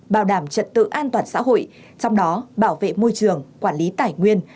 bảo đảm trật tự an toàn xã hội trong đó bảo vệ môi trường quản lý tài nguyên